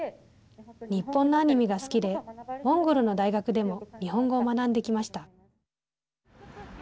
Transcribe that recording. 日本のアニメが好きでモンゴルの大学でも日本語を学んできました。